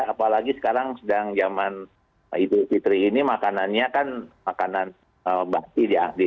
apalagi sekarang sedang zaman idul fitri ini makanannya kan makanan bakti ya